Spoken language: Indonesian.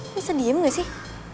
bisa diem gak sih